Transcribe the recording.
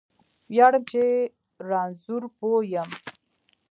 ویاړم چې رانځور پوه یم